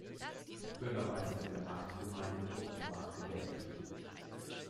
Bürgermeister der Marktgemeinde Burtenbach gewählt.